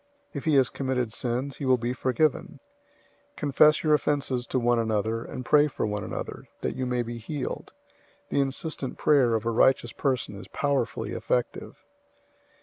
If he has committed sins, he will be forgiven. 005:016 Confess your offenses to one another, and pray for one another, that you may be healed. The insistent prayer of a righteous person is powerfully effective.